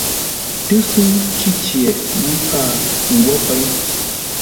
Tə́sə́u Cícye mə̌ ntsaa nghwó péi.